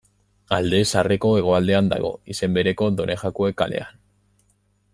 Alde Zaharreko hegoaldean dago, izen bereko Done Jakue kalean.